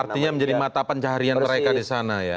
artinya menjadi mata pencaharian mereka disana ya